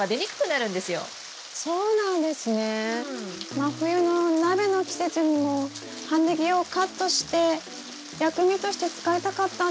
真冬の鍋の季節にも葉ネギをカットして薬味として使いたかったんですけど。